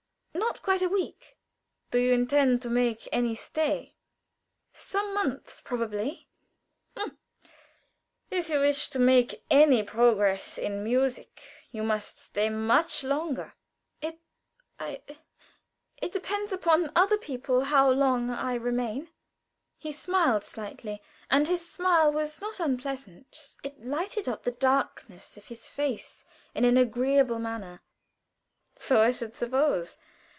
"Not quite a week." "Do you intend to make any stay?" "Some months, probably." "Humph! If you wish to make any progress in music, you must stay much longer." "It I it depends upon other people how long I remain." He smiled slightly, and his smile was not unpleasant; it lighted up the darkness of his face in an agreeable manner. "So I should suppose.